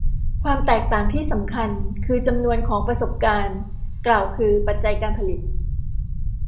ความแตกต่างที่สำคัญคือจำนวนของประสบการณ์กล่าวคือปัจจัยการผลิต